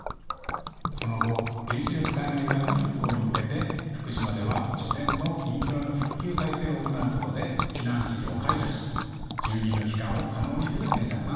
その後原子力災害からの復興に向けて福島では除染とインフラの復旧・再生を行うことで避難指示を解除し住民の帰還を可能にする政策が行われてきました。